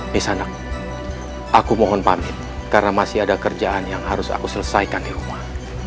di sana aku mohon pamit karena masih ada kerjaan yang harus aku selesaikan di rumah